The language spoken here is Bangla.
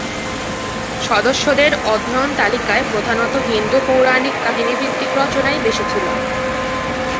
সদস্যদের অধ্যয়ন তালিকায় প্রধানত হিন্দু পৌরাণিক কাহিনীভিত্তিক রচনাই বেশি ছিল।